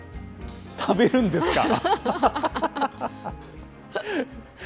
食べるんですか？